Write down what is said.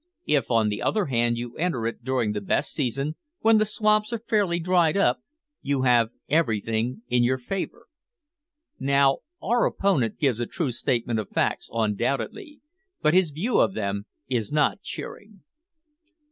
If, on the other hand, you enter it during the best season, when the swamps are fairly dried up, you have everything in your favour." Now, our opponent gives a true statement of facts undoubtedly, but his view of them is not cheering.